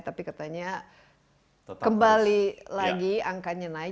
tapi katanya kembali lagi angkanya naik